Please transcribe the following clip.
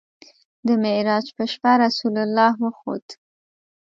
د معراج په شپه رسول الله وخوت.